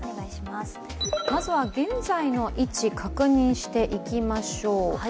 まずは現在の位置確認していきましょう。